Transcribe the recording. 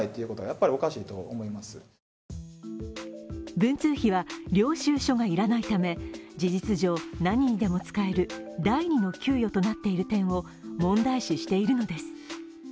文通費は領収書が要らないため事実上、何にでも使える第２の給与となっている点を問題視しているのです。